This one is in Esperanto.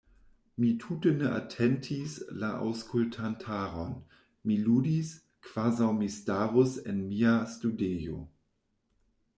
Mi tute ne atentis la aŭskultantaron; mi ludis, kvazaŭ mi starus en mia studejo.